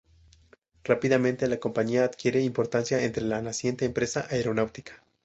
Rápidamente la compañía adquiere importancia entre la naciente empresa aeronáutica.